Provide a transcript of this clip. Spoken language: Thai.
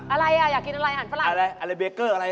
อะไรเบเกอร์อะไร